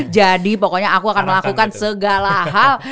jadi pokoknya aku akan melakukan segala hal